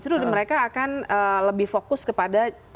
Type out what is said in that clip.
justru mereka akan lebih fokus kepada